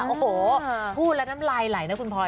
โอ้โหพูดแล้วน้ำลายไหลนะคุณพลอย